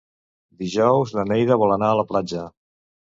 Dijous na Neida vol anar a la platja.